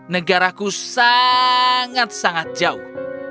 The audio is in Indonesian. negaraku sangat sangat jauh